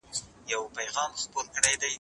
تا چي ول دوی به زموږ څخه راضي سي